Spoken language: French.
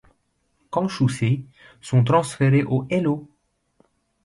Kenshūsei sont transférées au Hello!